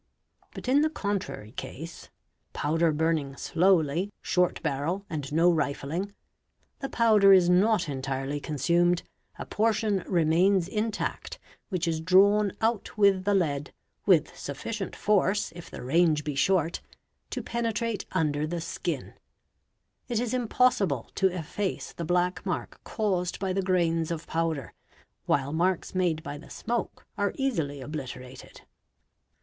But in the contrary case— powder burning slowly, short barrel, and no rifling—the powder is not — entirely consumed, a portion remains intact which is drawn out with the — lead, with sufficient force, if the range be short, to penetrate under the skin; it is impossible to efface the black mark caused by the grains of — powder, while marks made by the smoke are easily obliterated.